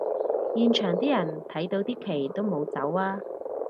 現場啲人睇到啲旗都冇走吖